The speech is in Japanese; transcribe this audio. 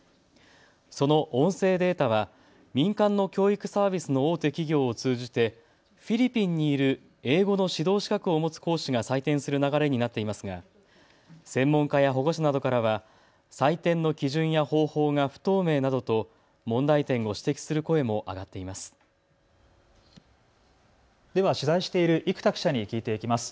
その音声データは、民間の教育サービスの大手企業を通じてフィリピンにいる英語の指導資格を持つ講師が採点する流れになっていますが専門家や保護者などからは採点の基準や方法が不透明などと問題点を指摘する声も上がっています。